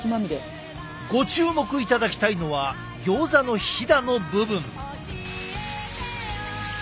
ご注目いただきたいのはギョーザのヒダの部分。